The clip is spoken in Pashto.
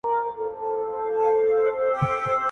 د خپلي ميرمني سره بد معاشرت مه کوئ.